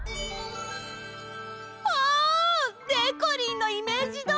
わあ！でこりんのイメージどおり！